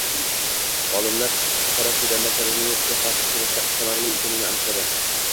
Olimlar qora sedana koronavirusga qarshi kurashda samarali ekanini aniqladi